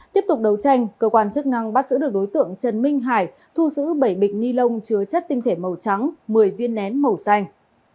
tiếp tục đấu tranh cơ quan chức năng bắt giữ được đối tượng trần minh hải thu giữ bảy bịch ni lông chứa chất tinh thể màu trắng một mươi viên nén màu xanh